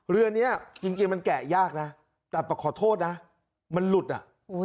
เรือนี้จริงมันแกะยากนะแต่ขอโทษนะมันหลุดอ่ะ